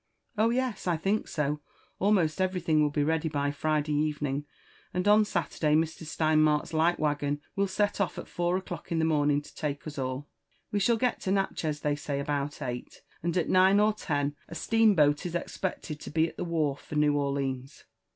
Oh yes, I think sol Almost everything will be ready by Friday evening, and on Saturday Mr. Steinmark's light waggon will set off at four o'clock in the morning to take us all. We shall get to Natchez, they say, about eight ; and at nine or ten a steam boat is expected to be at ihe wharf for New Orleans.